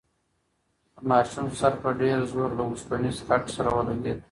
د ماشوم سر په ډېر زور له اوسپنیز کټ سره ولگېد.